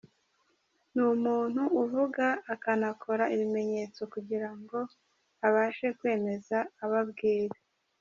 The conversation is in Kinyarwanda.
Ni umuntu uvuga akanakora ibimenyetso kugira ngo abashe kwemeza abo abwira.